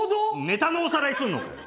ネタのおさらいすんのかよ！